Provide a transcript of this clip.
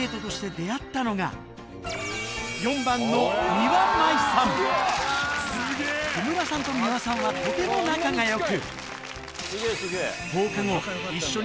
今から木村さんと三輪さんはとても仲が良く